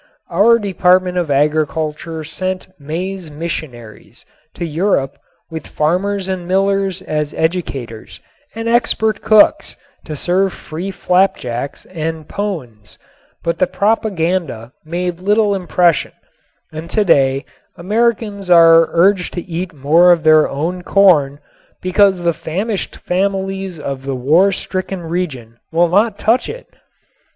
Our Department of Agriculture sent maize missionaries to Europe with farmers and millers as educators and expert cooks to serve free flapjacks and pones, but the propaganda made little impression and today Americans are urged to eat more of their own corn because the famished families of the war stricken region will not touch it.